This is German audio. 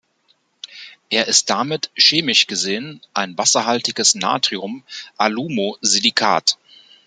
Er ist damit chemisch gesehen ein wasserhaltiges Natrium-Alumosilikat.